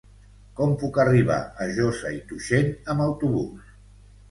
Com puc arribar a Josa i Tuixén amb autobús?